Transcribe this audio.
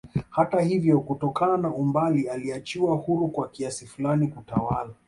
Hata ivyo kutokana na umbali aliachiwa huru kwa kiasi fulani kutawala